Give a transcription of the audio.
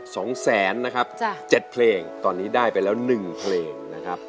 ๒แสนนะครับ๗เพลงตอนนี้ได้ไปแล้ว๑เพลงนะครับ